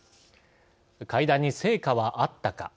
会談に成果はあったか。